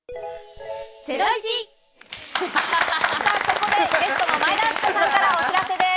ここでゲストの前田敦子さんからお知らせです。